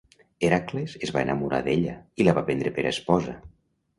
Hèracles es va enamorar d'ella i la va prendre per esposa.